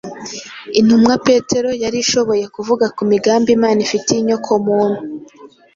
Intumwa Petero yari ishoboye kuvuga ku migambi Imana ifitiye inyokomuntu